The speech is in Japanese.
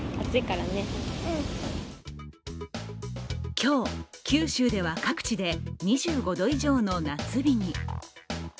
今日、九州では各地で２５度以上の夏日に。